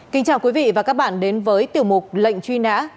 kính chào quý vị và các bạn đến với tiểu mục lệnh truy nã